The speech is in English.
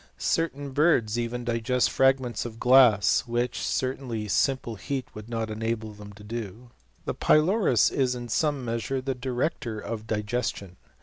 Certain birds even digest fragments of glass, which, certainly, simple heat would not enable them to do. The pylorus is, in some measure, the director of digestion.